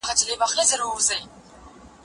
ايا ته لیکل کوې،